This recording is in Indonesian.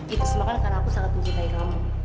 itu semakin karena aku sangat mencintai kamu